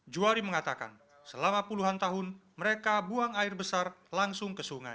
juwari mengatakan selama puluhan tahun mereka buang air besar langsung ke sungai